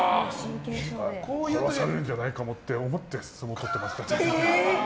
殺されるんじゃないかって思って相撲取ってました。